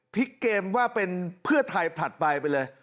เกมว่าเป็นเพื่อไทยผลัดไปไปเลย